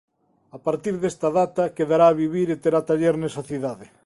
A partir desta data quedará a vivir e terá taller nesa cidade.